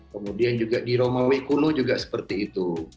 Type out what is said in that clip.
kemudian juga di roma wekulu juga seperti itu